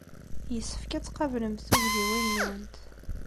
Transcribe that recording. Yessefk ad tqablemt tugdiwin-nwent.